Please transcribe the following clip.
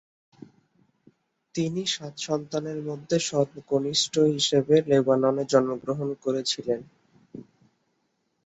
তিনি সাত সন্তানের মধ্যে সর্বকনিষ্ঠ হিসেবে লেবাননে জন্মগ্রহণ করেছিলেন।